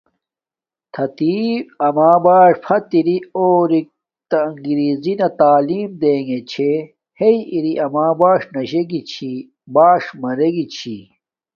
تھاتی اما بݽ فت اری اورو نا انگریزی نا تعیم دنݣ چھے۔ ہیݵ اری اما بݽ نشے گی۔ باݽ مرے گی